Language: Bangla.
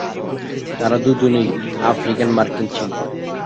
তারা দুজনেই আফ্রিকান মার্কিন ছিলেন।